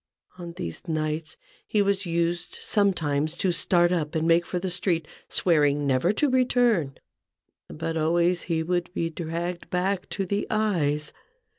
On these nights he was used sometimes to start up and make for the street, swearing never to return ; but always he would be dragged back to the eyes.